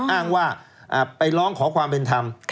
อ้างว่าไปร้องขอความเป็นธรรม